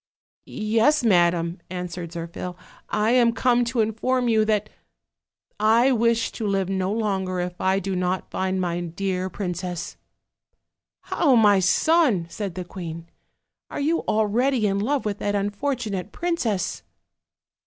"Yes, madam," answered Zirphil, "I am come to in form you that I wish to live no longer if I do not find my dear princess." "How, my son!" said the queen, "are you already in love with that unfortunate princess?"